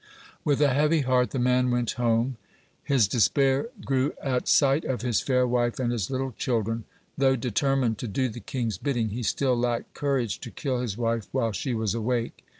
With a heavy heart the man went home. His despair grew at sight of his fair wife and his little children. Though determined to do the king's bidding, he still lacked courage to kill his wife while she was awake.